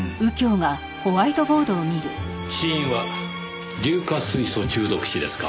死因は硫化水素中毒死ですか。